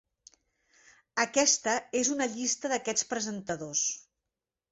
Aquesta és una llista d'aquests presentadors.